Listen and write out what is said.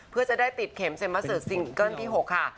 เพื่อจะได้ติดเข็มเสมอสุดซิงเกิ้ลที่๖ค่ะ